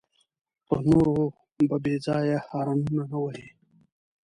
پر نورو به بېځایه هارنونه نه وهې.